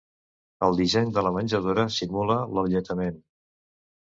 El disseny de la menjadora simula l'alletament.